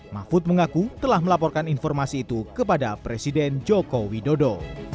mahfud mengaku telah melaporkan informasi itu kepada presiden joko widodo